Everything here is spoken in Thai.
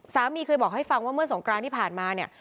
เคยบอกให้ฟังว่าเมื่อสงกรานที่ผ่านมาเนี่ย